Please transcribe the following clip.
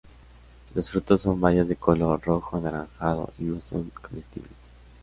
Los frutos son bayas de color rojo anaranjado y no son comestibles.